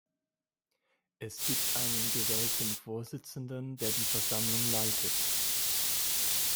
Es gibt einen gewählten Vorsitzenden, der die Versammlung leitet.